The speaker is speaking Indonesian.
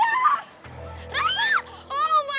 abah dan apa maksudnya